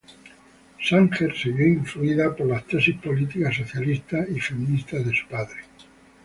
Sanger se vio influida por las tesis políticas socialistas y feministas de su padre.